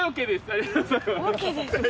ありがとうございます。